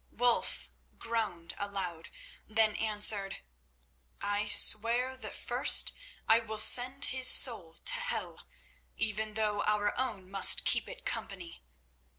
Wulf groaned aloud, then answered: "I swear that first I will send his soul to hell, even though our own must keep it company."